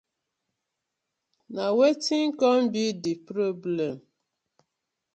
Na wetin com bi di problem.